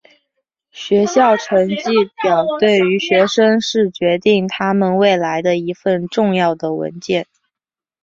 学校成绩表对于学生是决定他们未来的一份重要的文件。